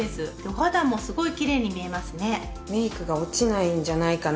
お肌もすごいきれいに見えますね。